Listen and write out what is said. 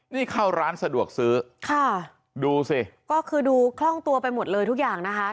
นี่เข้าร้านสะดวกซื้อค่ะดูสิก็คือดูคล่องตัวไปหมดเลยทุกอย่างนะคะ